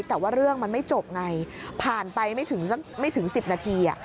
แต่ว่าเรื่องมันไม่จบไงผ่านไปไม่ถึงสักไม่ถึง๑๐นาที